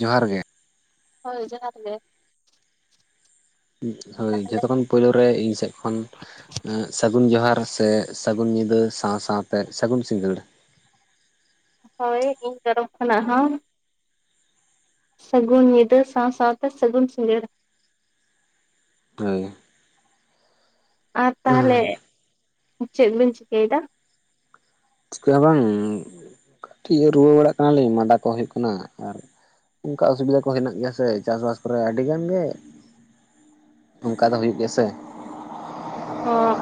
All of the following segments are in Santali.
ᱡᱚᱦᱟᱨ ᱜᱮ ᱦᱳᱭ ᱡᱚᱦᱟᱨ ᱜᱮ᱾ ᱦᱳᱭ ᱛᱟᱦᱚᱞᱮ ᱡᱷᱚᱛᱚ ᱠᱷᱚᱱ ᱯᱩᱭᱞᱩ ᱨᱮ ᱤᱧ ᱥᱮᱫ ᱠᱷᱚᱱ ᱮᱸᱼᱼ ᱥᱟᱹᱜᱩᱱ ᱡᱚᱦᱟᱨ ᱥᱮ ᱥᱟᱹᱜᱩᱱ ᱧᱤᱫᱟᱹ ᱥᱟᱶ ᱥᱟᱶᱛᱮ ᱥᱟᱹᱜᱩᱱ ᱥᱤᱸᱜᱟᱹᱲ᱾ ᱦᱳᱭ ᱤᱧ ᱛᱚᱨᱚᱯᱷ ᱠᱷᱚᱱᱟᱜ ᱦᱚᱸ᱾ ᱥᱟᱹᱜᱩᱱ ᱧᱤᱫᱟ. ᱥᱟᱶ ᱥᱟᱶᱛᱮ ᱥᱟᱹᱜᱩᱱ ᱥᱤᱸᱜᱟᱹᱲ᱾ ᱦᱳᱭ ᱟᱨ ᱛᱟᱦᱞᱮ ᱪᱮᱫ ᱵᱤᱱ ᱪᱤᱠᱟᱹᱭᱮᱫᱟ? ᱪᱤᱠᱟᱹ ᱦᱚᱸ ᱵᱟᱝ ᱠᱟᱹᱴᱤᱡ ᱨᱩᱣᱟᱹ ᱵᱟᱲᱟᱜ ᱠᱟᱱᱟᱞᱤᱧ ᱢᱟᱫᱟ ᱠᱚ ᱦᱩᱭᱩᱜ ᱠᱟᱱᱟ ᱟᱨ ᱚᱱᱠᱟ ᱚᱥᱩᱵᱤᱫᱷᱟ ᱠᱚ ᱦᱮᱱᱟᱜ ᱜᱮᱭᱟ ᱥᱮ ᱪᱟᱥᱵᱟᱥ ᱠᱚᱨᱮ ᱟᱹᱰᱤ ᱜᱟᱱ ᱜᱮ ᱚᱱᱠᱟ ᱫᱚ ᱦᱩᱭᱩᱜ ᱜᱮᱭᱟ ᱥᱮ᱾ ᱦᱳᱜ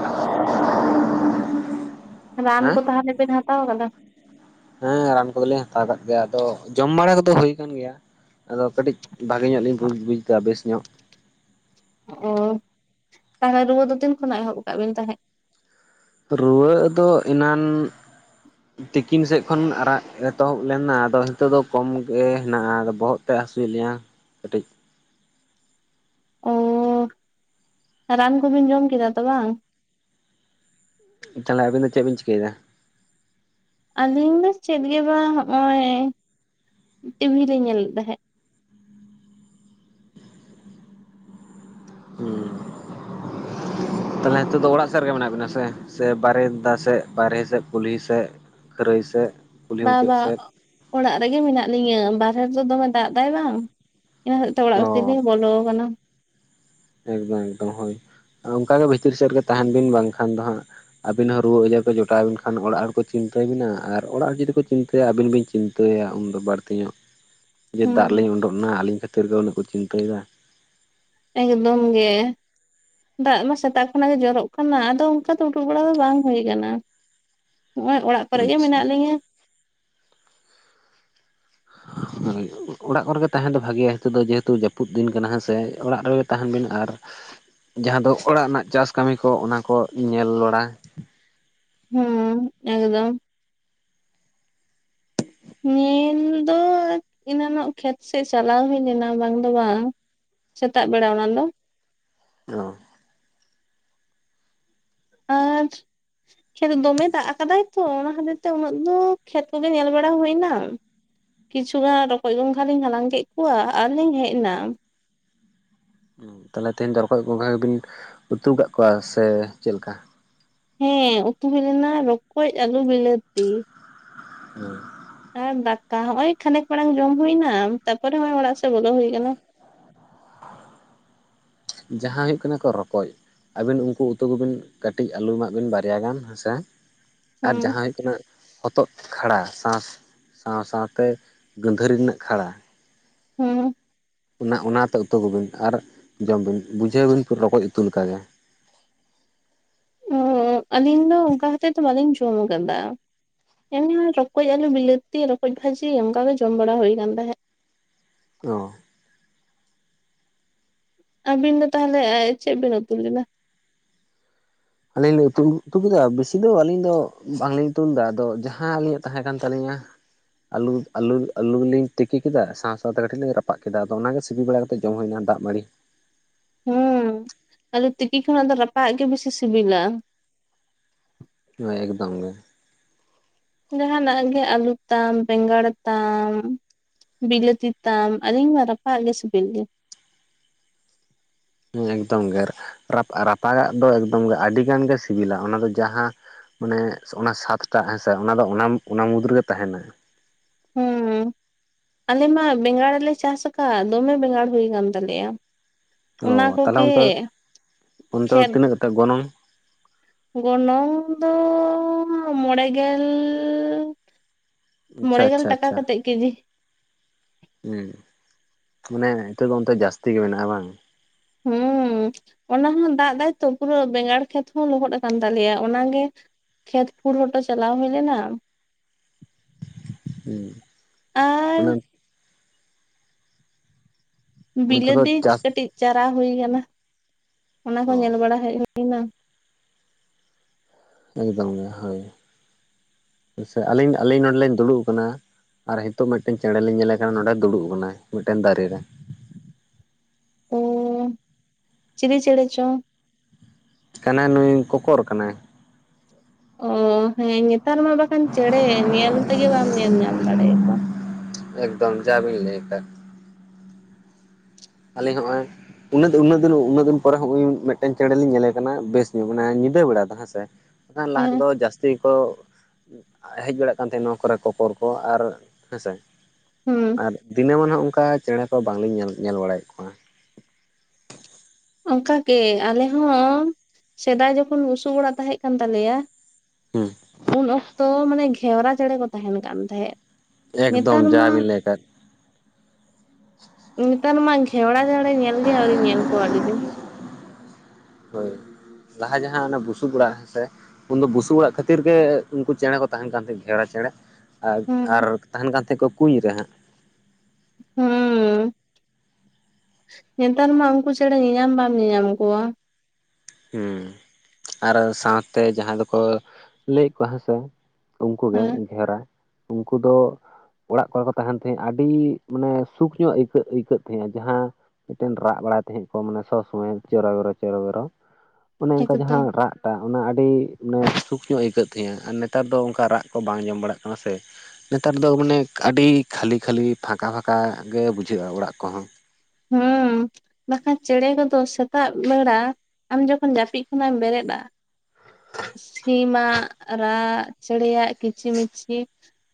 ᱨᱟᱱ ᱦᱮᱸ ᱠᱚ ᱛᱟᱦᱞᱮ ᱵᱮᱱ ᱦᱟᱛᱟᱣ ᱠᱟᱫᱟ? ᱦᱮᱸ ᱨᱟᱱ ᱠᱚᱫᱚᱞᱤᱧ ᱦᱟᱛᱟᱣ ᱟᱠᱟᱫ ᱜᱮᱭᱟ ᱟᱫᱚ ᱡᱚᱢ ᱵᱟᱲᱟ ᱠᱚᱫᱚ ᱦᱩᱭ ᱟᱠᱟᱱ ᱜᱮᱭᱟ᱾ ᱟᱫᱚ ᱠᱟᱹᱴᱤᱡ ᱵᱷᱟᱜᱮ ᱧᱚᱜ ᱞᱤᱧ ᱵᱩᱡ ᱵᱩᱡ ᱫᱟ ᱵᱮᱥ ᱧᱚᱜ᱾ ᱚ ᱛᱟᱦᱚᱞᱮ ᱨᱩᱣᱟᱹ ᱫᱚ ᱛᱤᱱ ᱠᱷᱚᱱᱟᱜ ᱮᱦᱚᱵ ᱟᱠᱟᱜ ᱵᱤᱱ ᱛᱟᱦᱮᱸᱫ? ᱨᱩᱣᱟᱹᱜ ᱫᱚ ᱮᱱᱟᱱ [unintelligible] ᱛᱤᱠᱤᱱ ᱥᱮᱫ ᱠᱷᱚᱱ ᱟᱨᱟᱜ ᱮᱛᱚᱦᱚᱵ ᱞᱮᱱᱟ ᱟᱫᱚ ᱱᱤᱛᱚᱜ ᱫᱚ ᱠᱚᱢ ᱜᱮ ᱦᱮᱱᱟᱜᱼᱟ ᱟᱫᱚ ᱵᱚᱦᱚᱜ ᱛᱮᱫ ᱦᱟᱹᱥᱩᱭᱮᱫ ᱞᱤᱧᱟ᱾ ᱠᱟᱹᱴᱤᱡ ᱚ ᱨᱟᱱ ᱠᱚᱵᱤᱱ ᱡᱚᱢ ᱠᱮᱫᱟ ᱛᱚ ᱵᱟᱝ? ᱛᱟᱦᱚᱞᱮ ᱟᱵᱤᱱ ᱫᱚ ᱪᱮᱫ ᱵᱤᱱ ᱪᱤᱠᱟᱹᱭ ᱫᱟ? ᱟᱹᱞᱤᱧ ᱫᱚ ᱪᱮᱫ ᱜᱮ ᱵᱟᱝ ᱦᱚᱜᱼᱚᱭ ᱴᱤᱵᱤᱞᱤᱧ ᱧᱮᱞᱮᱫ ᱛᱟᱦᱮᱸᱫ᱾ ᱦᱩᱸ ᱛᱟᱦᱚᱞᱮ ᱱᱤᱛᱚᱜ ᱫᱚ ᱚᱲᱟᱜ ᱥᱮᱫ ᱨᱮᱜᱮ ᱢᱮᱱᱟᱜ ᱵᱤᱱᱟ ᱥᱮ ᱥᱮ ᱵᱟᱨᱮᱱᱫᱟ, ᱥᱮᱫ ᱵᱟᱨᱦᱮ ᱥᱮᱫ, ᱠᱩᱞᱦᱤ ᱥᱮᱫ ᱠᱷᱟᱹᱨᱟᱹᱭ ᱥᱮᱫ? ᱠᱩᱞᱦᱤ ᱢᱩᱪᱟᱹᱫ ᱵᱟᱵᱟ ᱥᱮᱫ ᱚᱲᱟᱜ ᱨᱮᱜᱮ ᱢᱮᱱᱟᱜ ᱞᱤᱧᱟᱹ ᱵᱟᱨᱦᱮ ᱨᱮᱫᱚ ᱫᱚᱢᱮ ᱫᱟᱜ ᱫᱟᱭ ᱵᱟᱝ᱾ ᱤᱱᱟᱹ ᱦᱚᱛᱮ ᱛᱮ ᱚᱲᱟᱜ ᱚ ᱵᱷᱤᱛᱨᱤ ᱞᱤᱝ ᱵᱚᱞᱚ ᱟᱠᱟᱱᱟ᱾ ᱮᱠᱫᱚᱢ ᱮᱠᱫᱚᱢ ᱦᱳᱭ ᱚᱱᱠᱟᱜᱮ ᱵᱷᱤᱛᱤᱨ ᱥᱮᱫ ᱨᱮᱜ ᱛᱟᱦᱮᱱ ᱵᱤᱱ ᱵᱟᱝᱠᱷᱟᱱ ᱫᱚ ᱦᱟᱸᱜ ᱟᱹᱵᱤᱱ ᱦᱚᱸ ᱨᱩᱣᱟᱹ ᱟᱡᱟᱨ ᱠᱚ ᱡᱚᱴᱟᱣ ᱵᱤᱱ ᱠᱷᱟᱱ ᱚᱲᱟᱜ ᱦᱚᱲ ᱠᱚ ᱪᱤᱱᱛᱟᱹ ᱵᱮᱱᱟ ᱟᱨ ᱚᱲᱟᱜ ᱦᱚᱲ ᱡᱩᱫᱤ ᱠᱚ ᱪᱤᱱᱛᱟᱹᱭᱟ ᱟᱹᱵᱤᱱ ᱵᱤᱱ ᱪᱤᱱᱛᱟᱹᱭᱟ ᱩᱱᱫᱚ ᱵᱟᱹᱲᱛᱤ ᱧᱚᱜ᱾ ᱦ ᱡᱮ ᱫᱟᱜ ᱨᱮᱞᱤᱧ ᱩᱰᱠ ᱱᱟ ᱟᱹᱞᱤᱧ ᱠᱷᱟᱹᱛᱤᱨ ᱜᱮ ᱩᱱᱟᱹᱜ ᱠᱚ ᱪᱤᱱᱛᱟᱹᱭ ᱫᱟ᱾ ᱮᱠᱫᱚᱢ ᱜᱮ ᱫᱟᱜ ᱢᱟ ᱥᱮᱛᱟᱜ ᱠᱷᱚᱱᱟᱜ ᱜᱮ ᱡᱚᱨᱚᱜ ᱠᱟᱱᱟ ᱟᱫᱚ ᱚᱱᱠᱟ ᱫᱚ ᱩᱰᱩᱠ ᱵᱟᱲᱟ ᱫᱚ ᱵᱟᱝ ᱦᱩᱭ ᱟᱠᱟᱱᱟ᱾ ᱦᱚᱸᱜᱼᱚᱭ ᱚᱲᱟᱜ ᱠᱚᱨᱮ ᱜᱮ ᱟᱪᱪᱷᱟ ᱢᱮᱱᱟᱜ ᱞᱤᱝᱼᱟ᱾ ᱦ ᱦᱤᱛ ᱛᱳ ᱚᱲᱟᱜ ᱠᱚᱨᱮᱜᱮ ᱛᱟᱦᱮᱱ ᱫᱚ ᱵᱷᱟᱜᱮᱭᱟ ᱱᱤᱛᱚᱜ ᱫᱚ ᱡᱮᱦᱮᱛᱩ ᱡᱟᱹᱯᱩᱫ ᱫᱤᱱ ᱠᱟᱱᱟ ᱦᱮᱸᱥᱮ ᱚᱲᱟᱜ ᱨᱮᱜᱮ ᱛᱟᱦᱮᱱ ᱵᱤᱱ ᱟᱨ ᱡᱟᱦᱟᱸ ᱫᱚ ᱚᱲᱟᱜ ᱨᱮᱱᱟᱜ ᱪᱟᱥ ᱠᱟᱹᱢᱤ ᱠᱚ ᱚᱱᱟ ᱠᱚ ᱧᱮᱞ ᱵᱟᱲᱟ᱾ ᱦᱩᱸ ᱮᱠᱫᱚᱢ᱾ ᱧᱮᱞ ᱫᱚ ᱮᱱᱟᱱᱚᱱ ᱠᱷᱮᱛ ᱥᱮᱮᱫ ᱪᱟᱞᱟᱣ ᱦᱩᱭ ᱞᱮᱱᱟ ᱵᱟᱝ ᱫᱚ ᱵᱟᱝ ᱥᱮᱛᱟᱜ ᱵᱮᱲᱟ ᱚᱱᱟᱫᱚ ᱧᱳ ᱟᱹᱪ ᱠᱷᱮᱛ ᱫᱚᱢᱮ ᱫᱟᱜ ᱟᱠᱟᱫᱟᱭ ᱛᱚ ᱚᱱᱟ ᱠᱷᱟᱹᱛᱤᱨ ᱛᱮ ᱩᱱᱟᱹᱜ ᱫᱚ ᱠᱷᱮᱛ ᱠᱚᱜᱮ ᱧᱮᱞ ᱵᱟᱲᱟ ᱦᱩᱭ ᱮᱱᱟ᱾ ᱠᱤᱪᱷᱩ ᱜᱟᱱ ᱨᱚᱠᱚᱡ ᱜᱚᱝᱜᱷᱟ ᱞᱤᱧ ᱦᱟᱞᱟᱝ ᱠᱮᱫ ᱠᱚᱣᱟ ᱟᱨᱞᱤᱤᱧ ᱦᱮᱡ ᱮᱱᱟ᱾ ᱛᱟᱦᱚᱞᱮ ᱛᱮᱦᱮᱧ ᱫᱚ ᱨᱚᱠᱚᱡ ᱜᱚᱝᱜᱷᱟ ᱜᱮᱵᱤᱱ ᱩᱛᱩ ᱠᱟᱫ ᱠᱚᱣᱟ ᱥᱮ ᱪᱮᱫᱠᱟ? ᱦᱮᱸ ᱩᱛᱩ ᱦᱩᱭ ᱞᱮᱱᱟ ᱨᱚᱠᱚᱡ ᱟᱞᱩ ᱵᱤᱞᱟᱹᱛᱤ᱾ ᱦᱮᱸ ᱟᱨ ᱫᱟᱠᱟ ᱦᱚᱸᱼᱚᱭ ᱠᱷᱟᱱᱮᱠ ᱢᱟᱲᱟᱝ ᱡᱚᱢ ᱦᱩᱭ ᱮᱱᱟ ᱛᱟᱨᱯᱚᱨᱮ ᱱᱚᱜᱼᱚᱭ ᱚᱲᱟᱜ ᱥᱮᱫ ᱵᱚᱞᱚ ᱦᱩᱭ ᱠᱟᱱᱟ᱾ ᱡᱟᱦᱟᱸ ᱦᱩᱭᱩᱜ ᱠᱟᱱᱟ ᱠᱚ ᱨᱚᱠᱚᱡ ᱟᱹᱵᱤᱱ ᱩᱱᱠᱩ ᱩᱛᱩ ᱠᱚᱵᱤᱱ ᱠᱟᱹᱴᱤᱡ ᱟᱹᱞᱩ ᱮᱢᱟᱜ ᱵᱤᱱ ᱵᱟᱨᱭᱟ ᱜᱟᱱ ᱦᱮᱸᱥᱮ ᱟᱨ ᱦᱩᱸ ᱡᱟᱦᱟᱸ ᱦᱩᱭᱩᱜ ᱠᱟᱱᱟ ᱦᱚᱛᱚᱫ ᱠᱷᱟᱲᱟ ᱥᱟᱶ ᱥᱟᱶ ᱥᱟᱶ ᱛᱮ ᱜᱟᱹᱫᱷᱟᱹᱨᱤ ᱨᱮᱱᱟᱜ ᱠᱷᱟᱲᱟ᱾ ᱦᱩᱸ ᱚᱱᱟ ᱚᱱᱟᱛᱮ ᱩᱛᱩ ᱠᱚᱵᱤᱱ ᱟᱨ ᱡᱚᱢ ᱵᱤᱱ ᱵᱩᱡᱷᱟᱹᱣ ᱵᱤᱱᱯᱩᱨ ᱨᱚᱠᱚᱡ ᱩᱛᱩ ᱞᱮᱠᱟᱜᱮ ᱚᱸ ᱟᱹᱞᱤᱧ ᱫᱚ ᱚᱱᱠᱟ ᱦᱚᱛᱮᱜ ᱛᱮ ᱵᱟᱹᱞᱤᱧ ᱡᱚᱢ ᱟᱠᱟᱫᱟ᱾ ᱮᱢᱱᱤ ᱨᱚᱠᱚᱡ ᱟᱞᱩ ᱵᱤᱞᱟᱹᱛᱤ ᱨᱚᱠᱚᱡ ᱵᱷᱟᱡᱤ ᱚᱱᱠᱟ ᱜᱮ ᱡᱚᱢ ᱵᱟᱲᱟ ᱦᱩᱭ ᱠᱟᱱᱟᱱ ᱛᱟᱦᱮᱸᱫ᱾ ᱚᱻ ᱟᱹᱵᱤᱱ ᱫᱚ ᱛᱟᱦᱚᱞᱮ ᱪᱮᱫ ᱵᱤᱱ ᱩᱛᱩ ᱞᱮᱫᱟ? ᱟᱞᱤᱧ ᱞᱤᱧ ᱩᱛᱩ ᱩᱛᱩ ᱠᱮᱫᱟ ᱵᱮᱥᱤ ᱫᱚ ᱟᱹᱞᱤᱧ ᱫᱚ ᱵᱟᱝ ᱞᱤᱧ ᱩᱛᱩ ᱞᱮᱫᱟ ᱟᱫᱚ ᱡᱟᱦᱟᱸ ᱟᱹᱞᱤᱧᱟᱜ ᱛᱟᱦᱮᱸ ᱠᱟᱱ ᱛᱟᱹᱞᱤᱧᱟ᱾ ᱟᱹᱞᱩ ᱟᱹᱞᱩ ᱟᱹᱞᱩ ᱞᱤᱧ ᱛᱤᱠᱤ ᱠᱮᱫᱟ ᱥᱟᱶ ᱥᱟᱶ ᱛᱮ ᱠᱟᱹᱴᱤᱡ ᱞᱤᱧ ᱨᱟᱯᱟᱜ ᱠᱮᱫᱟ ᱟᱫᱚ ᱚᱱᱟ ᱜᱮ ᱥᱤᱯᱤ ᱵᱟᱲᱟᱼᱼ ᱡᱚᱢ ᱦᱩᱭᱱᱟ ᱫᱟᱜ ᱢᱟᱹᱲᱤ᱾ ᱦᱩᱸ ᱟᱞᱮ ᱛᱤᱠᱤ ᱠᱷᱚᱱᱟᱜ ᱫᱚ ᱨᱟᱯᱟᱜᱟᱜ ᱜᱮ ᱵᱤᱥᱤ ᱥᱤᱵᱤᱞᱟ᱾ ᱦᱳᱭ ᱮᱠᱫᱚᱢ ᱜᱮ᱾ ᱡᱟᱦᱟ ᱱᱟᱜ ᱜᱮ ᱟᱹᱞᱩ ᱛᱟᱢ ᱵᱮᱸᱜᱟᱲ ᱛᱟᱢ, ᱵᱤᱞᱟᱹᱛᱤ ᱛᱟᱢ ᱟᱹᱞᱤᱧ ᱢᱟ ᱨᱟᱯᱟᱜ ᱜᱮ ᱥᱤᱵᱤᱞ ᱜᱮ᱾ ᱮᱠᱫᱚᱢ ᱜᱮ ᱨᱟᱯᱟ ᱜᱟᱜ ᱫᱚ ᱮᱠᱫᱚᱢ ᱜᱮ ᱟᱹᱰᱤ ᱜᱟᱱ ᱜᱮ ᱥᱤᱵᱤᱞᱟ ᱚᱱᱟ ᱫᱚ ᱡᱟᱦᱟᱸᱼᱼ ᱢᱟᱱᱮ ᱚᱱᱟ ᱥᱟᱛᱴᱟᱜ ᱦᱮᱸᱥᱮ ᱚᱱᱟ ᱫᱚ ᱚᱱᱟ ᱚᱱᱟ ᱢᱩᱫᱽ ᱨᱮᱜᱮ ᱛᱟᱦᱮᱱᱟ᱾ ᱦᱩᱸᱢ ᱟᱞᱮ ᱢᱟ ᱵᱮᱸᱜᱟᱲᱞᱮ ᱪᱟᱥ ᱟᱠᱟᱫ ᱫᱚᱢᱮ ᱵᱮᱸᱜᱟᱲ ᱦᱩᱭ ᱟᱠᱟᱱ ᱛᱟᱞᱮᱭᱟ᱾ ᱚ ᱚᱱᱟ ᱛᱟᱦᱚᱞᱮ ᱠᱚᱜᱮ ᱚᱱᱛᱮ ᱚᱱᱛᱮ ᱫᱚ ᱠᱷᱮᱛ ᱛᱤᱱᱟᱹᱜ ᱠᱟᱛᱮ ᱜᱚᱱᱚᱝ? ᱜᱚᱱᱚᱝ ᱫᱚ ᱢᱚᱬᱮᱸᱜᱮᱞ- ᱟᱪᱪᱷᱟ ᱢᱚᱬᱮᱸ ᱜᱮᱞ ᱟᱪᱪᱷᱟ ᱴᱟᱠᱟ ᱟᱪᱪᱷᱟ ᱠᱟᱛᱮᱫ ᱠᱮᱡᱤ᱾ ᱦᱮᱸ ᱢᱟᱱᱮ ᱱᱤᱛᱚᱜ ᱫᱚ ᱚᱱᱛᱮ ᱡᱟᱹᱥᱛᱤ ᱜᱮ ᱢᱮᱱᱟᱜᱼᱟ ᱵᱟᱝ? ᱦᱩᱸ᱾ ᱚᱱᱟ ᱦᱚᱸ ᱫᱟᱜ ᱫᱟᱭᱛᱚ ᱯᱩᱨᱟᱹ ᱵᱮᱸᱜᱟᱲ ᱠᱷᱮᱛ ᱦᱚᱸ ᱞᱚᱦᱚᱫ ᱟᱠᱟᱱ ᱛᱟᱞᱮᱭᱟ ᱚᱱᱟᱜᱮᱼᱼ ᱠᱷᱮᱛ ᱯᱷᱩᱲ ᱦᱚᱴᱚ ᱪᱟᱞᱟᱣ ᱦᱩᱭ ᱞᱮᱱᱟ᱾ ᱦᱮᱸ ᱟᱨ ᱩᱱᱟᱝᱼᱼ ᱚᱱᱛᱮ ᱫᱚ ᱵᱤᱞᱟᱹᱛᱤ ᱪᱟᱥ ᱠᱟᱹᱴᱤᱡ ᱪᱟᱨᱟ ᱦᱩᱭ ᱟᱠᱟᱱᱟ ᱚᱱᱟ ᱠᱚ ᱚ ᱧᱮᱞ ᱵᱟᱲᱟ ᱦᱮᱡ ᱦᱩᱭ ᱮᱱᱟ᱾ ᱮᱠᱫᱚᱢ ᱜᱮ ᱦᱳᱭ ᱥᱮ ᱟᱹᱞᱤᱧ ᱟᱹᱞᱤᱧ ᱱᱚᱰᱮ ᱞᱤᱧ ᱫᱩᱲᱩᱵ ᱟᱠᱟᱱᱟ᱾ ᱟᱨ ᱱᱤᱛᱚᱜ ᱢᱤᱫᱴᱮᱱ ᱪᱮᱬᱮ ᱞᱤᱧ ᱧᱮᱞᱮ ᱠᱟᱱᱟ ᱱᱚᱰᱮ ᱫᱩᱲᱩᱵ ᱟᱠᱟᱱᱟᱭ ᱢᱤᱫᱴᱮᱱ ᱫᱟᱨᱮ ᱨᱮ᱾ ᱚᱻ ᱪᱤᱞᱤ ᱪᱮᱬᱮᱸ ᱪᱚᱝ? ᱠᱟᱱᱟᱭ ᱱᱩᱭ ᱠᱚᱠᱚᱨ ᱠᱟᱱᱟᱭ᱾ ᱚ ᱦᱮᱸ ᱱᱮᱛᱟᱨ ᱢᱟ ᱵᱟᱠᱷᱟᱱ ᱪᱮᱬᱮ ᱧᱮᱞ ᱛᱮᱜᱮ ᱵᱟᱢ ᱧᱮᱞ ᱧᱟᱢ ᱫᱟᱲᱮ ᱭᱟᱠᱚ᱾ ᱮᱠᱫᱚᱢ ᱡᱟᱵᱤᱱ ᱞᱟᱹᱭᱫ᱾ ᱟᱞᱤᱧ ᱦᱚᱸᱜᱼᱚᱭᱼᱼ ᱩᱱᱟᱹᱜ ᱩᱱᱟᱹᱜ ᱫᱤᱱ ᱩᱱᱟᱹᱜ ᱫᱤᱱ ᱯᱚᱨᱮ ᱦᱚᱸ ᱢᱤᱫᱴᱮᱱ ᱪᱮᱬᱮ ᱞᱤᱧ ᱧᱮᱞᱮ ᱠᱟᱱᱟ ᱵᱮᱥ ᱧᱩᱛ ᱢᱟᱱᱮ ᱧᱤᱫᱟᱹ ᱵᱮᱲᱟ᱾ ᱦᱮᱸᱥᱮ ᱵᱟᱝ ᱠᱷᱟᱱ ᱞᱟᱦᱟ ᱦᱮᱸ ᱛᱮᱫᱚ ᱡᱟᱹᱥᱛᱤᱼᱼ ᱡᱟᱹᱥᱛᱤ ᱠᱚ ᱦᱮᱡ ᱵᱟᱲᱟᱜ ᱠᱟᱱ ᱛᱟᱦᱮᱱᱟ ᱱᱚᱣᱟ ᱠᱚᱨᱮ ᱠᱚᱯᱚᱨ ᱠᱚ ᱟᱨ ᱦᱮᱸᱥᱮᱼᱼ ᱦᱩᱸ᱾ ᱫᱤᱱᱟᱹᱢᱟᱱ ᱦᱚᱸ ᱚᱱᱠᱟ ᱪᱮᱬᱮᱸ ᱠᱚ ᱵᱟᱝ ᱞᱤᱧ ᱧᱮᱞ ᱵᱟᱲᱟᱭᱮᱫ ᱠᱚᱣᱟ᱾ ᱚᱱᱠᱟ ᱜᱮ ᱟᱞᱮ ᱦᱚᱸ ᱥᱮᱫᱟᱭ ᱡᱚᱠᱷᱚᱱ ᱵᱩᱥᱩᱵ ᱚᱲᱟᱜ ᱛᱟᱦᱮᱸ ᱠᱟᱱ ᱛᱟᱞᱮᱭᱟᱼᱼ ᱦᱮᱸ᱾ ᱩᱱ ᱚᱠᱛᱚ ᱢᱟᱱᱮ ᱜᱷᱮᱣᱨᱟ ᱪᱮᱬᱮᱸ ᱠᱚ ᱛᱟᱦᱮᱱ ᱠᱟᱱ ᱛᱟᱦᱮᱸᱫ᱾ ᱮᱠᱫᱚᱢ ᱱᱮᱛᱟᱨ ᱢᱟ ᱡᱟᱵᱮᱱ ᱞᱟᱹᱭ ᱟᱠᱟᱫ᱾ ᱱᱮᱛᱟᱨ ᱢᱟ ᱜᱷᱮᱣᱲᱟ ᱪᱮᱬᱮ ᱧᱮᱞ ᱜᱮ ᱟᱹᱣᱨᱤᱧ ᱧᱮᱞ ᱠᱚᱣᱟ ᱟᱹᱰᱤᱼᱼ ᱦ [unintelligible] ᱦᱳᱭ ᱞᱟᱦᱟ ᱡᱟᱦᱟᱸ ᱚᱱᱟ ᱵᱩᱥᱩᱵ ᱚᱲᱟᱜ ᱦᱮᱸ ᱥᱮ᱾ ᱩᱱ ᱫᱚ ᱵᱩᱥᱩᱵᱽ ᱚᱲᱟᱜ ᱠᱷᱟᱹᱛᱤᱨ ᱜᱮ ᱩᱱᱠᱩ ᱪᱮᱬᱮᱸ ᱠᱚ ᱛᱟᱦᱮᱱ ᱠᱟᱱ ᱛᱟᱦᱮᱸᱫ ᱜᱷᱮᱣᱨᱟ ᱪᱮᱬᱮᱸ᱾ ᱦᱩᱸ ᱟᱨ ᱛᱟᱦᱮᱱ ᱠᱟᱱ ᱛᱟᱦᱮᱸᱫ ᱠᱚᱣᱟ ᱠᱩᱧ ᱨᱮ ᱦᱟᱸᱜ᱾᱾ ᱦᱩᱸ᱾ ᱱᱮᱛᱟᱨ ᱢᱟ ᱩᱱᱠᱩ ᱪᱮᱬᱮ ᱧᱮᱧᱟᱢ ᱵᱟᱢ ᱧᱮᱧᱟᱢ ᱠᱚᱣᱟ᱾ ᱦᱩᱸ ᱟᱨ ᱥᱟᱶᱛᱮ ᱡᱟᱦᱟᱸᱭ ᱫᱚᱠᱚ ᱞᱟᱹᱭᱮᱫ ᱠᱚᱣᱟ ᱦᱮᱸᱥᱮ᱾ ᱩᱱᱝᱩᱜᱮ ᱦᱮᱸ ᱜᱷᱮᱨᱟ ᱩᱱᱠᱩ ᱫᱚ ᱚᱲᱟᱜ ᱠᱚᱨᱮ ᱠᱚ ᱛᱟᱦᱮᱱ ᱛᱟᱦᱮᱸᱜ ᱟᱹᱰᱤ ᱢᱟᱱᱮ ᱥᱩᱠ ᱧᱚᱜ ᱟᱹᱭᱠᱟᱹᱜ ᱟᱹᱭᱠᱟᱹᱜ ᱛᱟᱦᱮᱸᱜᱼᱟ ᱡᱟᱦᱟᱸ ᱢᱤᱫᱴᱮᱱ ᱨᱟᱜ ᱵᱟᱲᱟᱭ ᱛᱟᱦᱮᱸᱫ ᱠᱚ ᱢᱟᱱᱮ ᱥᱚᱵᱽ ᱥᱚᱢᱚᱭ ᱪᱮᱨᱚᱵᱮᱨᱚ ᱪᱮᱨᱚᱵᱮᱨᱚ ᱚᱱᱮ ᱚᱱᱠᱟ ᱮᱠᱫᱚᱢ ᱡᱟᱦᱟᱸ ᱨᱟᱜ ᱴᱟ ᱚᱱᱟ ᱟᱹᱰᱤ ᱢᱟᱱᱮ ᱥᱩᱠ ᱧᱚᱜ ᱟᱹᱭᱠᱟᱹᱜ ᱛᱟᱸᱦᱮ-ᱟ ᱟᱨ ᱱᱮᱛᱟᱨ ᱫᱚ ᱚᱱᱠᱟ ᱨᱟᱜ ᱠᱚ ᱵᱟᱝ ᱟᱸᱡᱚᱢ ᱵᱟᱲᱟᱜ ᱠᱟᱱᱟ ᱥᱮ᱾ ᱱᱮᱛᱟᱨ ᱫᱚ ᱢᱟᱱᱮ ᱟᱹᱰᱤ ᱠᱷᱟᱹᱞᱤ ᱠᱷᱟᱹᱞᱤ ᱯᱷᱟᱸᱠᱟ ᱯᱷᱟᱸᱠᱟ ᱜᱮ ᱵᱩᱡᱷᱟᱹᱜ-ᱟ ᱚᱲᱟᱜ ᱠᱚᱦᱚᱸ᱾ ᱦᱩᱸ᱾ ᱵᱟᱠᱷᱟᱱ ᱪᱮᱬᱮ ᱠᱚᱫᱚ ᱥᱮᱛᱟᱜ ᱵᱮᱲᱟ ᱟᱢ ᱡᱚᱠᱷᱚᱱ ᱡᱟᱹᱯᱤᱫ ᱠᱷᱚᱱᱟᱜ ᱮᱢ ᱵᱮᱨᱮᱫ-ᱟ᱾ ᱥᱤᱢᱟᱜ ᱨᱟᱜ, ᱪᱮᱬᱮᱭᱟᱜ ᱠᱤᱪᱤ-ᱢᱤᱪᱤ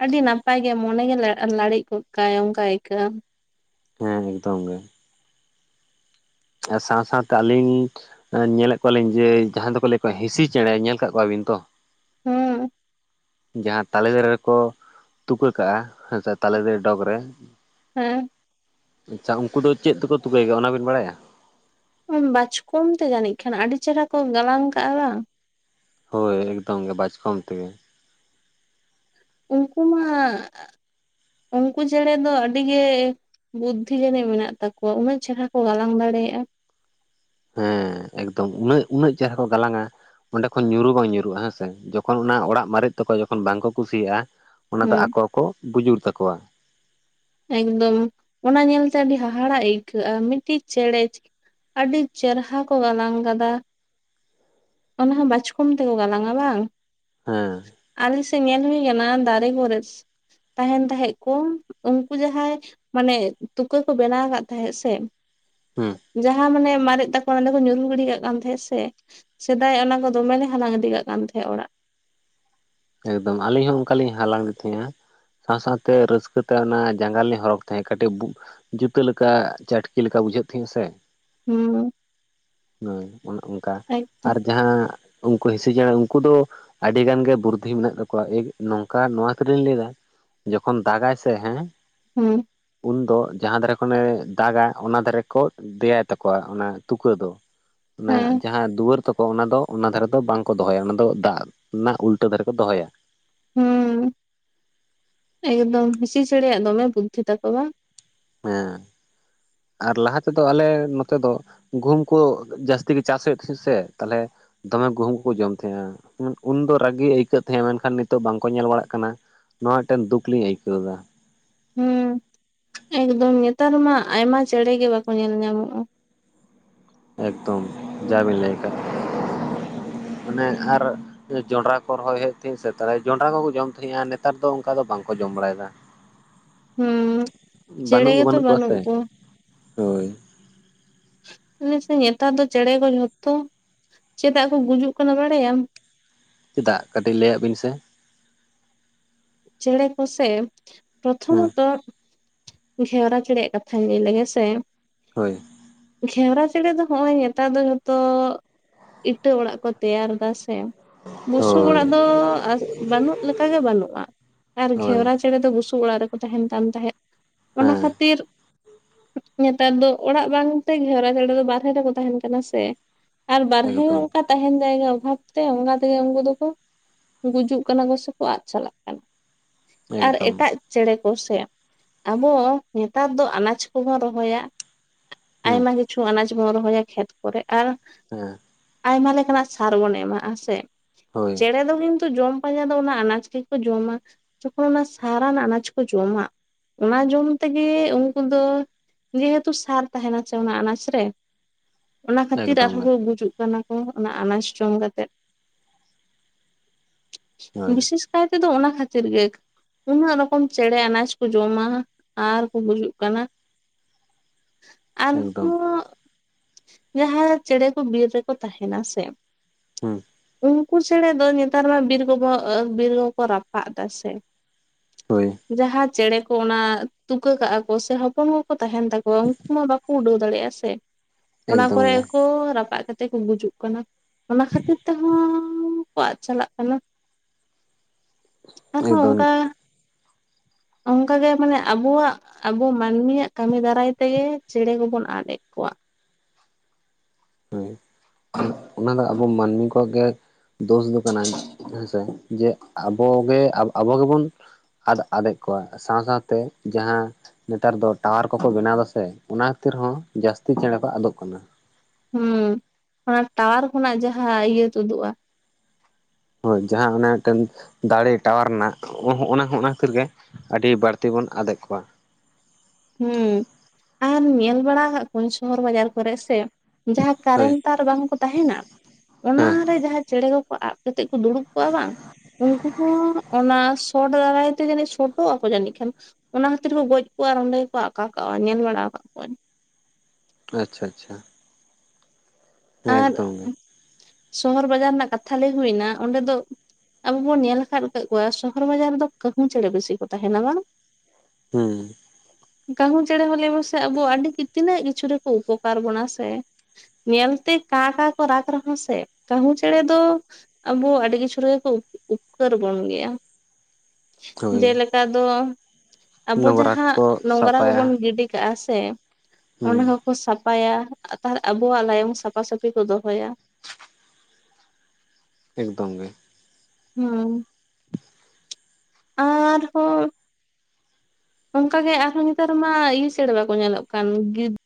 ᱟᱹᱰᱤ ᱱᱟᱯᱟᱭ ᱜᱮ ᱢᱚᱱᱮ ᱜᱮ ᱞᱟᱬ-ᱞᱟᱲᱤᱡ ᱜᱚᱜ ᱠᱟ-ᱟᱭ ᱚᱱᱠᱟ ᱟᱹᱭᱠᱟᱹᱜᱼᱟ᱾ ᱦᱮᱸ ᱮᱠᱫᱚᱢ ᱜᱮ᱾ ᱟᱨ ᱥᱟᱶ ᱥᱟᱶᱛᱮ ᱟᱹᱞᱤᱧ ᱟᱸ ᱧᱮᱞᱮᱫ ᱠᱚᱣᱟᱞᱤᱧ ᱡᱮ ᱡᱟᱦᱟᱸᱭ ᱫᱚᱠᱚ ᱞᱟᱹᱭ ᱠᱚᱣᱟ ᱦᱸᱥᱤᱤ ᱪᱮᱬᱮ᱾ ᱧᱮᱞ ᱠᱟᱫ ᱠᱚᱣᱟᱵᱤᱱ ᱛᱚ? ᱦᱩᱸ᱾ ᱡᱟᱦᱟᱸ ᱛᱟᱞᱮ ᱫᱟᱨᱮ ᱨᱮᱠᱚ ᱛᱩᱠᱟᱹ ᱠᱟᱜᱼᱟ ᱦᱮᱸ ᱥᱮ᱾ ᱛᱟᱞᱮ ᱫᱟᱨᱮ ᱰᱚᱜᱽ ᱨᱮ᱾ ᱦᱮᱸ᱾ ᱟᱪᱪᱷᱟ ᱩᱱᱠᱩ ᱫᱚ ᱪᱮᱫ ᱛᱮᱠᱚ ᱛᱩᱠᱟᱹᱭ ᱜᱮᱭᱟ ᱚᱱᱟᱵᱤᱱ ᱵᱟᱲᱟᱭᱟ? ᱵᱟᱪᱠᱚᱢ ᱛᱮ ᱡᱟᱹᱱᱤᱡ ᱠᱷᱟᱱ ᱟᱹᱰᱤ ᱪᱮᱦᱨᱟ ᱠᱚ ᱜᱟᱞᱟᱝ ᱠᱟᱜᱼᱟ ᱵᱟᱝ᱾ ᱦᱳᱭ ᱮᱠᱫᱚᱢ ᱜᱮ ᱵᱟᱪᱠᱚᱢ ᱛᱮᱜᱮ᱾ ᱩᱱᱠᱩ ᱢᱟ, ᱩᱱᱠᱩ ᱪᱮᱬᱮ ᱫᱚ ᱟᱹᱰᱤᱜᱮ ᱵᱩᱫᱽᱫᱷᱤ ᱡᱟᱹᱱᱤᱡ ᱢᱮᱱᱟᱜ ᱛᱟᱠᱚᱣᱟ, ᱩᱱᱟᱹᱜ ᱪᱮᱨᱦᱟ ᱠᱚ ᱜᱟᱞᱟᱝ ᱫᱟᱲᱮᱭᱟᱜ-ᱟ᱾ ᱦᱮᱸ ᱮᱠᱫᱚᱢ, ᱩᱱᱟᱹᱜ ᱩᱱᱟᱹᱜ ᱪᱮᱨᱦᱟ ᱠᱚ ᱜᱟᱞᱟᱝᱟ᱾ ᱚᱸᱰᱮ ᱠᱷᱚᱱ ᱧᱩᱨᱩ ᱵᱟᱝ ᱧᱩᱨᱩᱜᱼᱟ ᱦᱮᱸᱥᱮ, ᱡᱚᱠᱷᱚᱱ ᱚᱱᱟ ᱚᱲᱟᱜ ᱢᱟᱨᱮᱜ ᱛᱟᱠᱚᱣᱟ, ᱡᱚᱠᱷᱚᱱ ᱵᱟᱝ ᱠᱚ ᱠᱩᱥᱤᱭᱟᱜᱼᱟ ᱚᱱᱟ ᱫᱚ ᱦᱩᱸ ᱟᱠᱚ ᱠᱚ ᱵᱩᱡᱩᱨ ᱛᱟᱠᱚᱣᱟ᱾ ᱮᱠᱫᱚᱢ, ᱚᱱᱟ ᱧᱮᱞᱛᱮ ᱟᱹᱰᱤ ᱦᱟᱦᱟᱲᱟᱜ ᱟᱹᱭᱠᱟᱹᱜ-ᱟ᱾ ᱢᱤᱫᱴᱤᱡ ᱪᱮᱬᱮ ᱟᱹᱰᱤ ᱪᱮᱨᱦᱟ ᱠᱚ ᱜᱟᱞᱟᱝ ᱠᱟᱫᱟ᱾ ᱚᱱᱟ ᱦᱚᱸ ᱵᱟᱪᱠᱚᱢ ᱛᱮᱠᱚ ᱜᱟᱞᱟᱝᱟ ᱵᱟᱝ? ᱦᱮᱸ᱾ ᱟᱞᱮ ᱥᱮᱫ ᱧᱮᱞ ᱦᱩᱭ ᱟᱠᱟᱱᱟ ᱫᱟᱨᱮ ᱠᱚᱨᱮᱜ ᱛᱟᱦᱮᱱ ᱛᱟᱦᱮᱸᱫ ᱠᱚ᱾ ᱩᱱᱠᱩ ᱡᱟᱦᱟᱸᱭ ᱢᱟᱱᱮ ᱛᱩᱠᱟᱹ ᱠᱚ ᱵᱮᱱᱟᱣ ᱠᱟᱫ ᱛᱟᱦᱮᱸᱜ ᱥᱮ ᱦᱩᱸ ᱡᱟᱦᱟᱸ ᱢᱟᱱᱮ ᱢᱟᱨᱮᱜ ᱛᱟᱠ [unintelligible] ᱚᱸᱰᱮ ᱠᱚ ᱧᱩᱨᱦᱩ ᱜᱤᱰᱤ ᱠᱟᱜ ᱠᱟᱱ ᱛᱟᱦᱮᱸᱜ ᱥᱮ, ᱥᱮᱫᱟᱭ ᱚᱱᱟ ᱠᱚ ᱫᱚᱢᱮ ᱞᱮ ᱦᱟᱞᱟᱝ ᱤᱫᱤ ᱠᱟᱜ ᱠᱟᱱ ᱛᱟᱦᱮᱸᱫ ᱚᱲᱟᱜ᱾ ᱮᱠᱫᱚᱢ, ᱟᱞᱤᱧ ᱦᱚᱸ ᱚᱱᱠᱟᱞᱤᱧ ᱦᱟᱞᱟᱝ-ᱮᱫ ᱛᱟᱦᱮᱸᱫ ᱟ᱾ ᱥᱟᱶ ᱥᱟᱶᱛᱮ ᱨᱟᱹᱥᱠᱟᱹ ᱛᱮ ᱚᱱᱟ ᱡᱟᱸᱜᱟ ᱨᱮᱞᱤᱧ ᱦᱚᱨᱚᱜᱽ ᱛᱟᱦᱮᱸᱫ ᱠᱟᱹᱴᱤᱡ ᱵᱩ ᱡᱩᱛᱟᱹ ᱞᱮᱠᱟ ᱪᱟᱹᱴᱠᱤ ᱞᱮᱠᱟ ᱵᱩᱡᱷᱟᱹᱜ ᱛᱟᱦᱮᱜ-ᱟ ᱥᱮ᱾ ᱦᱩᱸ ᱦᱩᱸ ᱚᱱᱮ ᱚᱱᱠᱟ ᱮᱠᱫᱚᱢ ᱟᱨ ᱡᱟᱦᱟᱸ ᱩᱱᱠᱩ ᱦᱤᱤᱥᱩ ᱪᱮᱬᱮᱸ ᱩᱱᱠᱩ ᱫᱚ ᱟᱹᱰᱤ ᱜᱟᱱ ᱜᱮ ᱵᱩᱨ ᱫᱷᱤ ᱢᱮᱱᱟᱜ ᱛᱟᱠᱚᱣᱟ ᱮ ᱱᱚᱝᱠᱟ ᱱᱚᱣᱟ ᱠᱷᱟᱹᱛᱤᱨᱤᱧ ᱞᱟᱹᱭ ᱫᱟ᱾ ᱡᱚᱠᱷᱚᱱ ᱫᱟᱜ ᱟᱭ ᱥᱮ ᱦᱮᱸ ᱦᱩᱸ᱾ ᱩᱱ ᱫᱚ ᱡᱟᱦᱟᱸ ᱫᱷᱟᱨᱮ ᱠᱷᱚᱱᱮ ᱫᱟᱜᱟ ᱚᱱᱟ ᱫᱷᱟᱨᱮ ᱠᱚ ᱫᱮᱭᱟᱭ ᱛᱟᱠᱚᱣᱟ ᱚᱱᱟ ᱛᱩᱠᱟᱹ ᱫᱚ ᱾ ᱚᱱᱟ ᱦᱮᱸ ᱡᱟᱦᱟᱸ ᱫᱩᱣᱟᱹᱨ ᱛᱟᱠᱚ ᱚᱱᱟ ᱫᱚ, ᱚᱱᱟ ᱫᱷᱟᱨᱮ ᱫᱚ ᱵᱟᱝᱠᱚ ᱫᱚᱦᱚᱭᱟ, ᱚᱱᱟ ᱫᱚ ᱫᱟᱜ ᱱᱟᱜ ᱩᱞ- -ᱴᱟᱹ ᱫᱷᱟᱨᱮ ᱠᱚ ᱫᱚᱦᱚᱭᱟ᱾ ᱦᱩᱸ ᱮᱠᱫᱚᱢ, ᱦᱤᱸᱥᱤ ᱪᱮᱲᱮ ᱭᱟᱜ ᱫᱚᱢᱮ ᱵᱩᱫᱽᱫᱷᱤ ᱛᱟᱠᱚ ᱵᱟᱸ? ᱦᱮᱸ ᱟᱨ ᱞᱟᱦᱟ ᱛᱮᱫᱚ ᱟᱞᱮ ᱱᱚᱛᱮ ᱫᱚ ᱜᱩᱢ ᱠᱚ ᱡᱟᱹᱥᱛᱤ ᱜᱮ ᱪᱟᱥ ᱦᱩᱭᱩᱜ ᱛᱮᱹᱥᱤᱥᱥᱮ ᱛᱟᱞᱦᱮ ᱫᱚᱢᱮ ᱜᱩᱦᱩᱢ ᱠᱚ ᱡᱚᱢ ᱛᱷᱮᱸᱜᱼᱟᱸ, ᱩᱱ-ᱩᱱᱫᱚ ᱨᱟᱜᱤ ᱟᱹᱭᱠᱟᱹᱜ ᱛᱷᱮᱸᱜ, ᱢᱮᱱᱠᱷᱟᱱ ᱱᱤᱛᱚᱜ ᱵᱟᱝᱠᱚ ᱧᱮᱞ ᱵᱟᱲᱟᱜ ᱠᱟᱱᱟ᱾ ᱱᱚᱣᱟ ᱴᱮᱱ ᱫᱩᱠ ᱞᱤᱧ ᱟᱹᱭᱠᱟᱹᱣ ᱫᱟ᱾ ᱦᱩᱸ ᱮᱠᱫᱚᱢ, ᱧᱮᱛᱟᱨ ᱢᱟ ᱟᱭᱢᱟ ᱪᱮᱲᱮ ᱜᱮ ᱵᱟᱠᱚ ᱧᱮᱞ ᱧᱟᱢᱚᱜᱼᱟ᱾ ᱮᱠᱫᱚᱢ, ᱡᱟᱵᱤᱸ ᱞᱟᱹᱭ ᱠᱟᱜ, ᱟᱱᱮ ᱟᱨ ᱮᱸ ᱡᱚᱸᱰᱨᱟ ᱠᱚ ᱨᱚᱦᱚᱭ ᱦᱳᱭᱳᱜ ᱛᱷᱮᱸᱜ ᱥᱮ ᱛᱟᱞᱮ ᱡᱚᱸᱰᱨᱟ ᱠᱚᱠᱚ ᱡᱚᱢ ᱛᱷᱮᱸᱜᱼᱟ, ᱱᱮᱛᱟᱨ ᱫᱚ ᱚᱝᱠᱟ ᱫᱚ ᱵᱟᱝᱠᱚ ᱡᱚᱢ ᱵᱟᱲᱟᱭ ᱫᱟ᱾ ᱦᱩᱸ, ᱪᱮᱲᱮ ᱵᱟᱹᱱᱩᱜ ᱫᱚ ᱜᱮᱛᱚ ᱵᱟᱹᱱᱩᱜ ᱵᱟᱱᱩᱜ ᱥᱮ ᱠᱚᱣᱟ᱾ ᱦᱳᱭ᱾ ᱞᱟᱹᱢ ᱥᱮ ᱧᱮᱛᱟᱨ ᱫᱚ ᱪᱮᱲᱮ ᱠᱚ ᱡᱷᱚᱛᱚ, ᱪᱮᱫᱟᱜ ᱠᱚ ᱜᱩᱡᱩᱜ ᱠᱟᱱᱟ ᱵᱟᱲᱟᱭᱟᱢ? ᱪᱮᱫᱟᱜ? ᱠᱟᱴᱤᱜ ᱞᱟᱹᱭᱟᱜ ᱵᱤᱱ ᱥᱮ᱾ ᱪᱮᱲᱮ ᱠᱚᱥᱮ ᱦᱮᱸ ᱯᱨᱚᱛᱷᱚᱢᱚᱛᱚᱜ ᱜᱷᱮᱣᱨᱟ ᱪᱮᱲᱮᱭᱟᱜ ᱠᱟᱛᱷᱟᱹᱧ ᱞᱟᱹᱭ ᱞᱮᱜᱮ ᱥᱮ᱾ ᱦᱳᱭ᱾ ᱜᱷᱮᱣᱨᱟ ᱪᱮᱲᱮ ᱫᱚ ᱦᱚᱸᱜᱼᱚᱸᱭ ᱧᱮᱛᱟᱨ ᱫᱚ ᱡᱚᱛᱚᱜ ᱤᱴᱟᱹ ᱚᱲᱟᱜ ᱠᱚ ᱛᱮᱭᱟᱨ ᱫᱟ ᱥᱮ ᱵᱩᱥᱩᱵ ᱦᱳᱭ ᱚᱲᱟᱜ ᱫᱚ ᱟᱥ ᱵᱟᱱᱩᱜ ᱞᱮᱠᱟ ᱜᱮ ᱵᱟᱱᱩᱜᱼᱟ᱾ ᱟᱨ ᱦᱳᱭ ᱜᱷᱮᱣᱨᱟ ᱪᱮᱲᱮ ᱫᱚ ᱵᱩᱥᱩᱵ ᱚᱲᱟᱜ ᱨᱮᱠᱚ ᱛᱟᱦᱮᱱ ᱠᱟᱱ ᱛᱟᱦᱮᱸᱜ, ᱚᱱᱟ ᱦᱮᱸ ᱠᱷᱟᱹᱛᱤᱨ ᱧᱮᱛᱟᱨ ᱫᱚ ᱚᱲᱟᱜ ᱵᱟᱝᱛᱮ ᱜᱷᱮᱣᱨᱟ ᱪᱮᱲᱮ ᱫᱚ ᱵᱟᱨᱦᱮ ᱨᱮᱠᱚ ᱛᱟᱦᱮᱱ ᱠᱟᱱᱟ ᱥᱮ᱾ ᱟᱨ ᱵᱟᱨᱦᱮ ᱮᱠᱫᱚᱢ ᱚᱝᱠᱟᱛ ᱛᱟᱦᱮᱱ ᱡᱟᱭᱜᱟ ᱚᱵᱷᱟᱵᱽ ᱛᱮ ᱚᱝᱜᱟ ᱛᱮᱜᱮ ᱩᱝᱠᱩ ᱫᱚᱠᱚ ᱜᱩᱡᱩᱜ ᱠᱟᱱᱟ ᱠᱚ ᱥᱮᱠᱚ ᱟᱜ ᱪᱟᱞᱟᱜ ᱟᱞ ᱟᱨ ᱮᱠᱫᱚᱢ ᱮᱴᱟᱜ ᱪᱮᱲᱮ ᱠᱚ ᱥᱮᱜ ᱟᱵᱚ ᱧᱮᱛᱟᱨ ᱫᱚ ᱟᱱᱟᱡᱽ ᱠᱚᱵᱚᱱ ᱨᱚᱦᱚᱭᱟᱜ᱾ [inaudible] ᱦᱮᱸ ᱟᱭᱢᱟ ᱠᱤᱪᱷᱩ ᱟᱱᱟᱡ ᱵᱚᱱ ᱨᱚᱦᱚᱭᱟ ᱠᱷᱮᱛ ᱠᱚᱨᱮᱜ, ᱟᱨ ᱦᱮᱸ᱾ ᱟᱭᱢᱟ ᱞᱮᱠᱟᱱᱟᱜ ᱥᱟᱨ ᱵᱚᱱ ᱮᱢᱟᱜᱼᱟ ᱥᱮ᱾ ᱦᱳᱭ᱾ ᱪᱮᱲᱮ ᱫᱚ ᱠᱤᱱᱛᱩ ᱡᱚᱢ ᱯᱟᱸᱡᱟ ᱫᱚ ᱚᱱᱟ ᱟᱱᱟᱡ ᱜᱮ ᱠᱚ ᱡᱚᱢᱟ ᱡᱚᱠᱷᱚᱱ ᱚᱱᱟ ᱥᱟᱨᱟᱱᱟᱜ ᱟᱱᱟᱡᱽ ᱠᱚ ᱡᱚᱢᱟᱜ, ᱚᱱᱟ ᱡᱚᱢ ᱛᱮᱜᱮ ᱩᱝᱠᱩ ᱫᱚ ᱡᱮᱦᱮᱛᱩ ᱥᱟᱨ ᱛᱟᱦᱮᱸᱱᱟ ᱪᱮ ᱚᱱᱟ ᱟᱱᱟᱡᱽ ᱨᱮ ᱚᱱᱟ ᱠᱷᱟᱛᱤᱨ ᱮᱠᱫᱚᱢ ᱜᱮ ᱟᱨᱦᱚᱸ ᱜᱩᱡᱩᱜ ᱠᱟᱱᱟ ᱠᱚᱸ ᱚᱱᱟ ᱟᱱᱟᱡ ᱡᱚᱢ ᱠᱟᱛᱮᱫ᱾ ᱦᱳᱭ ᱵᱤᱥᱮᱥ ᱠᱟᱭ ᱛᱮᱫᱚ ᱚᱱᱟ ᱠᱷᱟᱛᱤᱨ ᱜᱮ᱾ ᱩᱱᱟᱹᱜ ᱨᱚᱠᱚᱢ ᱪᱮᱲᱮ ᱟᱱᱟᱡᱽ ᱠᱚ ᱡᱚᱢᱟ ᱟᱨ ᱠᱚ ᱜᱩᱡᱩᱜ ᱠᱟᱱᱟ᱾ [unintelligible] ᱮᱠᱫᱚᱢ ᱟᱨᱦᱚᱸ ᱡᱟᱦᱟᱸᱭ ᱪᱮᱲᱮ ᱠᱚ ᱵᱤᱨ ᱨᱮᱠᱚ ᱛᱟᱦᱮᱸᱱᱟ ᱥᱮ, ᱦᱩᱸ᱾ ᱩᱱᱠᱩ ᱪᱮᱲᱮ ᱫᱚ ᱧᱮᱛᱟᱨ ᱢᱟ ᱵᱤᱨ ᱜᱚᱜᱳᱢᱟᱹ ᱟᱹ ᱵᱤᱨ ᱜᱚ ᱠᱚ ᱨᱟᱯᱟᱜ ᱫᱟ ᱥᱮ᱾ ᱦᱳᱭ᱾ ᱡᱟᱦᱟ ᱪᱮᱲᱮ ᱠᱚ ᱚᱱᱟ ᱛᱩᱠᱟᱹ ᱠᱟᱜᱼᱟ ᱠᱚ ᱥᱮ ᱦᱚᱯᱚᱱ ᱝᱚ ᱛᱟᱦᱮᱸᱱ ᱛᱟᱠᱚᱣᱟ, ᱩᱱᱠᱩ ᱢᱟ ᱵᱟᱠᱚ ᱩᱰᱟᱹᱣ ᱫᱟᱲᱮᱭᱟᱜᱼᱟ ᱥᱮ ᱚᱱᱟ ᱮᱠᱫᱚᱢ ᱠᱚᱨᱮ ᱜᱮ ᱠᱚ ᱨᱟᱯᱟᱜ ᱠᱟᱛᱮᱼᱼ ᱛᱮᱠᱚ ᱜᱩᱡᱩᱜ ᱠᱟᱱᱟ, ᱚᱱᱟ ᱠᱷᱟᱹᱛᱤᱨ ᱛᱮᱦᱚᱸ ᱠᱚ ᱟᱫ ᱪᱟᱞᱟᱜ ᱠᱟᱱᱟ᱾ ᱟᱨ ᱦᱚᱸ ᱮᱠᱫᱚᱢ ᱚᱱᱠᱟ ᱚᱱᱠᱟᱜᱮ ᱢᱟᱱᱮ ᱟᱵᱚᱣᱟᱜᱼᱼ ᱟᱵᱚ ᱢᱟᱹᱱᱢᱤᱭᱟᱜ ᱠᱟᱹᱢᱤ ᱫᱟᱨᱟᱭ ᱛᱮᱜᱮ ᱪᱮᱸᱬᱮ ᱠᱚᱵᱚᱱ ᱟᱫᱽᱮᱫ ᱠᱚᱣᱟ᱾ ᱦᱮᱸ ᱚᱱᱟ ᱫᱚ ᱟᱵᱚ ᱢᱟᱹᱱᱢᱤ ᱠᱚ ᱜᱮᱼᱼ ᱫᱳᱥ ᱫᱚ ᱠᱟᱱᱟ ᱦᱮᱸᱥᱮ ᱡᱮ ᱟᱵᱚᱜᱮ ᱟᱵᱚ ᱜᱮ ᱵᱚᱱᱼᱼ ᱟᱫᱽ ᱟᱫᱽᱮᱜ ᱠᱚᱣᱟ ᱥᱟᱸᱣ ᱥᱟᱸᱣᱛᱮ ᱡᱟᱦᱟᱸ ᱱᱮᱛᱟᱨ ᱫᱚ ᱴᱟᱣᱟᱨ ᱠᱚᱠᱚ ᱵᱮᱱᱟᱣ ᱮᱫᱟ ᱥᱮ ᱚᱱᱟ ᱠᱷᱟᱹᱛᱤᱨ ᱦᱚᱸ ᱡᱟᱹᱥᱛᱤ ᱪᱮᱬᱮᱸ ᱠᱚ ᱟᱫᱚᱜ ᱠᱟᱱᱟ᱾ ᱦᱩᱸ ᱚᱱᱟ ᱴᱟᱣᱟᱨ ᱠᱷᱚᱱᱟᱜ ᱡᱟᱦᱟᱸ ᱤᱭᱟᱹ ᱛᱩᱫᱩᱜᱼᱟ᱾ ᱦᱳᱭ ᱡᱟᱦᱟᱸ ᱮ ᱢᱤᱫᱴᱮᱱ ᱫᱟᱲᱮ ᱴᱟᱣᱟᱨ ᱨᱮᱱᱟᱜ ᱚᱱᱟ ᱦᱚᱸ ᱚᱱᱟ ᱠᱷᱟᱹᱛᱤᱨ ᱜᱮ ᱟᱹᱰᱤ ᱵᱟᱹᱲᱛᱤ ᱵᱚᱱ ᱟᱫᱮᱜ ᱠᱚᱣᱟ᱾ ᱦᱮᱸ ᱟᱨ ᱧᱮᱞ ᱵᱟᱲᱟᱜ ᱠᱚᱣᱟᱝ ᱥᱚᱦᱚᱨ ᱵᱟᱡᱟᱨ ᱠᱚᱨᱮ ᱥᱮ ᱡᱟᱦᱟᱸ ᱦᱳᱭ ᱠᱟᱨᱮᱱᱴᱼᱼ ᱛᱟᱨ ᱵᱟᱝ ᱠᱚ ᱛᱟᱦᱮᱸᱱᱟ, ᱚᱱᱟ ᱦᱮᱸ ᱨᱮ ᱡᱟᱦᱟᱸ ᱪᱮᱸᱬᱮ ᱠᱚ ᱠᱚ ᱟᱵᱽ ᱠᱟᱛᱮᱼᱼ ᱫᱩᱲᱩᱵ ᱠᱚᱜᱼᱟ ᱵᱟᱝ ᱩᱱᱠᱩ ᱦᱚᱸ ᱚᱱᱟᱼᱼ ᱥᱚᱴ ᱫᱟᱨᱟᱭ ᱛᱮ ᱡᱟᱹᱱᱤᱡ ᱥᱚᱴᱚᱜ ᱟᱠᱚ ᱡᱟᱹᱱᱤᱡ ᱠᱷᱟᱱ ᱚᱱᱟ ᱠᱷᱟᱹᱛᱤᱨ ᱠᱚ ᱜᱚᱡ ᱠᱚᱜᱼᱟ ᱚᱸᱰᱮᱼᱼ ᱟᱠᱟᱣᱟ ᱧᱮᱞ ᱵᱟᱲᱟ ᱟᱠᱚᱣᱟᱧ ᱟᱪᱪᱷᱟ ᱟᱪᱪᱷᱟ, ᱦᱮᱸ ᱟᱨ ᱮᱠᱫᱚᱢ ᱜᱮ ᱥᱚᱦᱚᱨ ᱵᱟᱡᱟᱨ ᱨᱮᱱᱟᱜ ᱠᱟᱛᱷᱟ ᱞᱟᱹᱭ ᱦᱩᱭᱱᱟ ᱚᱸᱰᱮ ᱫᱚᱼᱼ ᱟᱵᱚ ᱵᱚᱱ ᱧᱮᱞ ᱟᱠᱟᱫ ᱠᱟᱫ ᱠᱚᱣᱟ ᱥᱚᱦᱚᱨ ᱵᱟᱡᱟᱨ ᱨᱮᱫᱚ ᱠᱟᱹᱦᱩ ᱪᱮᱬᱮᱸ ᱵᱮᱥᱤ ᱠᱚ ᱛᱟᱦᱮᱸᱱᱟ ᱵᱟᱝ? ᱦᱩᱸ [unintelligible] ᱠᱟᱹᱦᱩ ᱪᱮᱸᱬᱮ ᱦᱚᱸ ᱞᱟᱹᱭ ᱢᱮᱥᱮ ᱟᱵᱚ ᱟᱹᱰᱤ ᱛᱤᱱᱟᱹᱜ ᱠᱤᱪᱷᱩ ᱨᱮᱠᱚ ᱩᱯᱚᱠᱟᱨ ᱵᱚᱱᱟ ᱥᱮ, ᱧᱮᱞᱛᱮ ᱠᱟᱸ ᱠᱟᱸ ᱠᱚ ᱨᱟᱜᱽ ᱨᱮᱦᱚᱸ ᱥᱮ ᱠᱟᱹᱦᱩ ᱪᱮᱬᱮᱸ ᱫᱚᱼᱼ ᱟᱵᱚ ᱟᱹᱰᱤ ᱠᱤᱪᱷᱩ ᱨᱮᱜᱮ ᱠᱚ ᱩᱯᱠᱟᱹᱨ [unintelligible] ᱵᱚᱱ ᱜᱮᱭᱟ᱾ ᱦᱳᱭ ᱡᱮᱞᱮᱠᱟ ᱫᱚ ᱟᱵᱚ ᱱᱚᱝᱨᱟ ᱡᱟᱦᱟᱸ ᱠᱚᱠᱚ ᱱᱚᱝᱨᱟ ᱥᱟᱯᱷᱟᱭᱟ ᱜᱮᱵᱚᱱ ᱜᱤᱰᱤᱼᱼ ᱠᱟᱜᱼᱟ ᱥᱮ ᱦᱩᱸ ᱚᱸᱵᱟ ᱦᱚᱸᱠᱚ ᱥᱟᱯᱷᱟᱭᱟ ᱛᱟᱦᱮᱸ ᱟᱵᱚᱣᱟᱜ ᱞᱟᱭᱚᱝ ᱥᱟᱯᱼᱼ ᱥᱟᱯᱷᱟ ᱥᱟᱹᱯᱷᱤ ᱠᱚ ᱫᱚᱦᱚᱭᱟ᱾ ᱮᱠᱫᱚᱢ ᱜᱮ, ᱦᱩᱸᱢ ᱟᱨᱦᱚᱸᱼᱼ ᱚᱱᱠᱟᱜᱮ ᱟᱨᱦᱚᱸ ᱱᱮᱛᱟᱨ ᱢᱟ ᱤᱭᱩ ᱪᱮᱬᱮᱸ ᱵᱟᱠᱚ ᱧᱮᱞᱚᱜ ᱠᱟᱱ ᱜᱤᱼᱼ